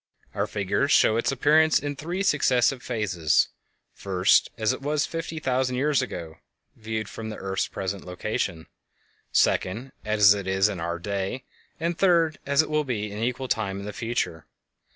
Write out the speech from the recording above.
Our figures show its appearance in three successive phases: first, as it was fifty thousand years ago (viewed from the earth's present location); second, as it is in our day; and, third, as it will be an equal time in the future.